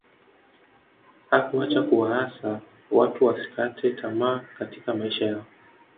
hakuacha kuwaasa watu wasikate tamaa katika maisha yao